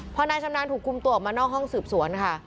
พอนายชำนาญถูกคุมตัวออกมานอกห้องสืบสวนค่ะ